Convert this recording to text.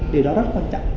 điều đó rất quan trọng